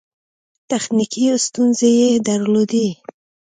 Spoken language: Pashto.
تخنیکي ستونزې یې درلودې.